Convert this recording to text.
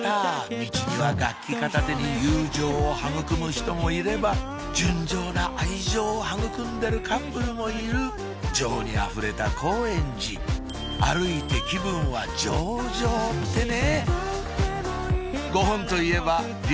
ミチには楽器片手に友情を育む人もいれば純情な愛情を育んでるカップルもいる情にあふれた高円寺歩いて気分は上々ってね